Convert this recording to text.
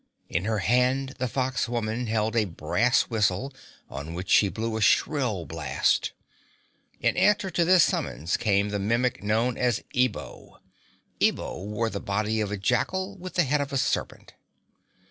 In her hand the fox woman held a brass whistle on which she blew a shrill blast. In answer to this summons came the Mimic known as Ebo. Ebo wore the body of a jackal with the head of a serpent.